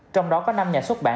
trong đó có năm nhà xuất bản